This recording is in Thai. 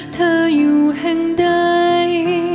เธออยู่แห่งใด